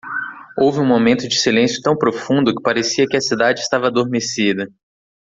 Houve um momento de silêncio tão profundo que parecia que a cidade estava adormecida.